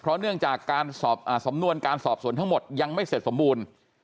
เนื่องจากการสอบสำนวนการสอบสวนทั้งหมดยังไม่เสร็จสมบูรณ์